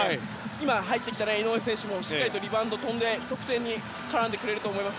今、入ってきた井上選手もしっかりリバウンド跳んで得点に絡んでくれると思います。